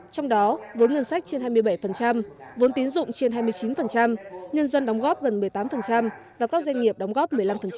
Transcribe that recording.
trong đó vốn ngân sách trên hai mươi bảy vốn tín dụng trên hai mươi chín nhân dân đóng góp gần một mươi tám và các doanh nghiệp đóng góp một mươi năm